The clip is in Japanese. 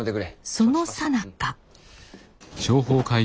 そのさなか。